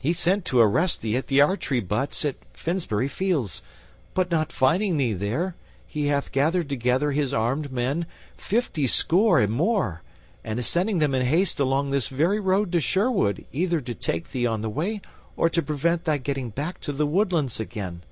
He sent to arrest thee at the archery butts at Finsbury Fields, but not finding thee there, he hath gathered together his armed men, fifty score and more, and is sending them in haste along this very road to Sherwood, either to take thee on the way or to prevent thy getting back to the woodlands again.